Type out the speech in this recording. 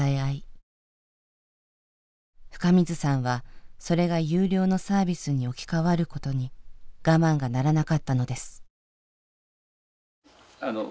深水さんはそれが有料のサービスに置き換わることに我慢がならなかったのです。